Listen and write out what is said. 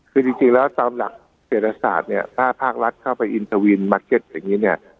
คือจริงแล้วตามหลักเศรษฐศาสตร์เนี่ยถ้าภาครัฐเข้าไปอินทวินมาร์เก็ตอย่างนี้เนี่ย